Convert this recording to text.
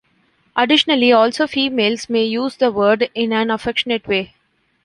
Additionally, also females may use the word in an affectionate way.